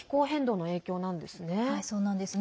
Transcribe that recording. はい、そうなんですね。